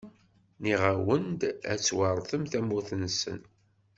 Nniɣ-awen-d: Ad tweṛtem tamurt-nsen.